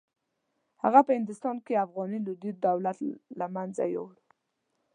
هغه په هندوستان کې افغاني لودي دولت له منځه یووړ.